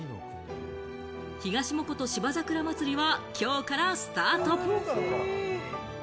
ひがしもこと芝桜まつりは今日からスタート！